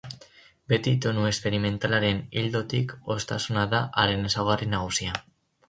Beti tonu esperimentalaren ildotik, hoztasuna da haren ezaugarri nagusia.